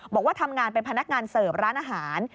บอกว่าทำงานเป็นพนักงานเสิร์ฟร้านอาหาร